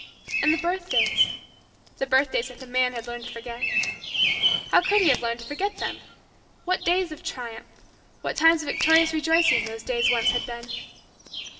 And the birthdays the birthdays that the man had learned to forget how could he have learned to forget them! What days of triumph what times of victorious rejoicing those days once had been!